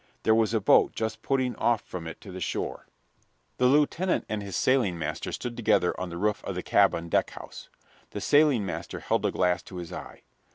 There was a boat just putting off from it to the shore. The lieutenant and his sailing master stood together on the roof of the cabin deckhouse. The sailing master held a glass to his eye.